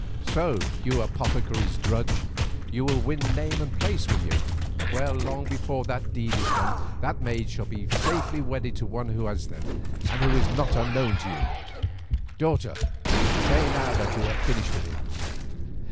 "So, you apothecary's drudge, you will win name and place, will you! Well, long before that deed is done the maid shall be safely wedded to one who has them and who is not unknown to you. Daughter, say now that you have finished with him."